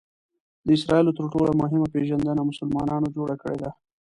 د اسراییلو تر ټولو مهمه پېژندنه مسلمانانو جوړه کړې ده.